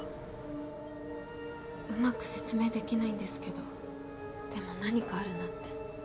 うまく説明できないんですけどでも何かあるなって。